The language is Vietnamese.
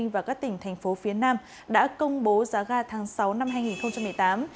và các tỉnh thành phố phía nam đã công bố giá ga tháng sáu năm hai nghìn một mươi tám